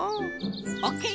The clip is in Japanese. オッケー！